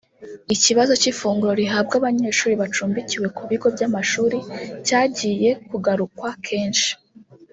Ikibazo cy’ifunguro rihabwa abanyeshuri bacumbikiwe ku bigo by’amashuri cyagiye kugarukwa kenshi